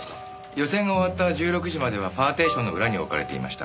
予選が終わった１６時まではパーティションの裏に置かれていました。